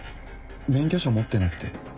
免許証持ってなくて。